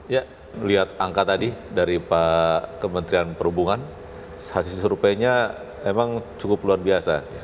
ya melihat angka tadi dari pak kementerian perhubungan hasil surveinya memang cukup luar biasa